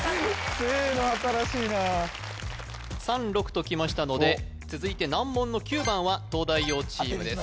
「せーの」は新しいな３６ときましたので続いて難問の９番は東大王チームです